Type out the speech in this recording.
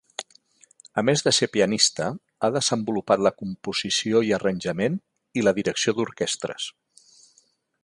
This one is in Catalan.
A més de ser pianista, ha desenvolupat la composició i arranjament i la direcció d'orquestres.